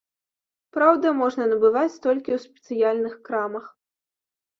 Праўда, можна набываць толькі ў спецыяльных крамах.